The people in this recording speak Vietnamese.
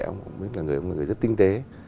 ông ấy là người rất tinh tế